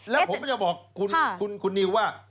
แล้วผมก็จะบอกคุณนิวว่า